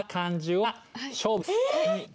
はい！